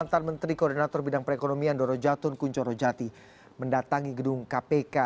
mantan menteri koordinator bidang perekonomian doro jatun kunchorojati mendatangi gedung kpk